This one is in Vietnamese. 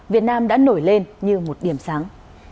việt nam đã nổi lên như một điểm sáng